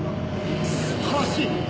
「素晴らしい！」